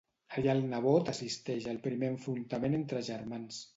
Allà el nebot assisteix al primer enfrontament entre germans.